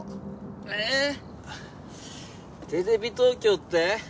えテレビ東京って？